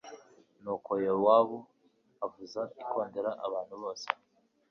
Nuko Yowabu avuza ikondera abantu bose